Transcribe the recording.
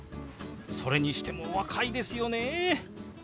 それにしてもお若いですよね。